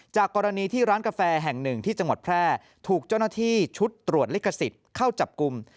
กรณีที่ร้านกาแฟแห่งหนึ่งที่จังหวัดแพร่ถูกเจ้าหน้าที่ชุดตรวจลิขสิทธิ์เข้าจับกลุ่ม